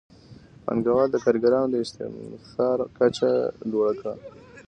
پانګوال د کارګرانو د استثمار کچه لوړه کوي